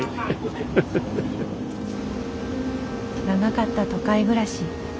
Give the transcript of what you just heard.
長かった都会暮らし。